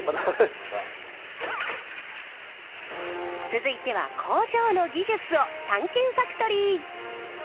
続いては工場の技術を探検ファクトリー！